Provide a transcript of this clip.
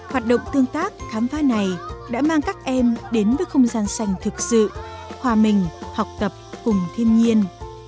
hoạt động tương tác khám phá này đã mang các em đến với không gian xanh thực sự hòa mình học tập cùng thiên nhiên